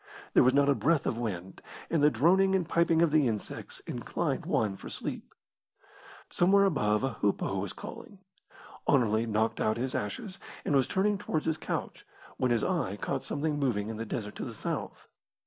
There was not a breath of wind, and the droning and piping of the insects inclined one for sleep. Somewhere above a hoopoe was calling. Anerley knocked out his ashes, and was turning towards his couch, when his eye caught something moving in the desert to the south.